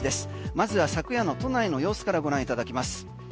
まずは昨夜の都内の様子からご覧いただきます。